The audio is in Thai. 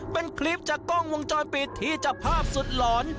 เป็นคลิปจากกล้องวงจรปิดที่จับภาพสุดหลอน